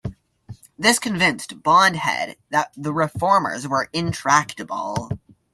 This convinced Bond Head that the Reformers were intractable.